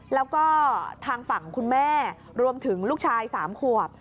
แล้วก็ทางฝั่งคุณแม่รวมถึงลูกชาย๓ขวบ